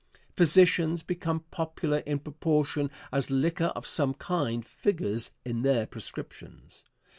Physicians become popular in proportion as liquor of some kind figures in their prescriptions.